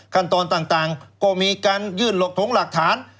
ขั้นตอนต่างก็มีการยื่นหลักถงหลักฐาน